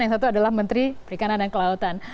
yang satu adalah menteri perikanan dan kelautan